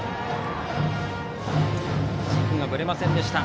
軸がぶれませんでした。